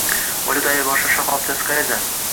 Valyuta ayirboshlash shaxobchasi qayerda?